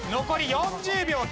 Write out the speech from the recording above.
残り４０秒。